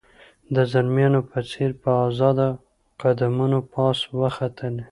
د زلمیانو په څېر په آزاده قدمونو پاس وختلې.